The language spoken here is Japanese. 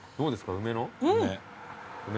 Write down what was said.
梅の？